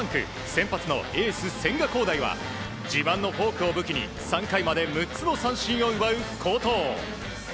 先発のエース千賀滉大は自慢のフォークを武器に３回までに６つのストライクを取る好投。